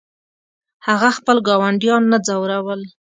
هغه خپل ګاونډیان نه ځورول.